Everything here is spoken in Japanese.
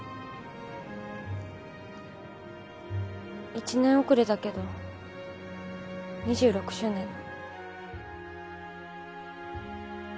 １年遅れだけど２６周年の。